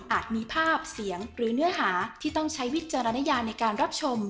มีภาพเสียงหรือเนื้อหาที่ต้องใช้วิจารณญาในการรับชม